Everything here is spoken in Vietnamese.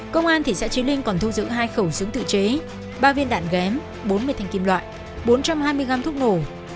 công an thị xã trí linh còn thu giữ hai khẩu súng tự chế ba viên đạn ghém bốn mươi thanh kim loại bốn trăm hai mươi gram thuốc nổ